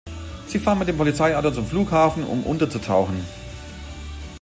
Sie fahren mit dem Polizeiauto zum Flughafen, um unterzutauchen.